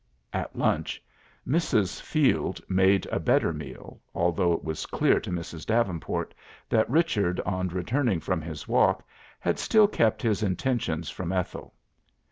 At lunch Mrs. Field made a better meal, although it was clear to Mrs. Davenport that Richard on returning from his walk had still kept his intentions from Ethel.